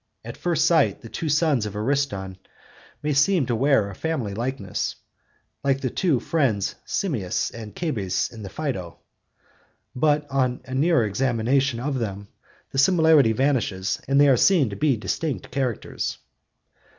At first sight the two sons of Ariston may seem to wear a family likeness, like the two friends Simmias and Cebes in the Phaedo. But on a nearer examination of them the similarity vanishes, and they are seen to be distinct characters.